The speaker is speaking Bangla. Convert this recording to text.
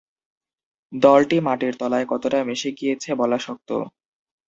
দ’লটি মাটির তলায় কতটা মিশে গিয়েছে বলা শক্ত।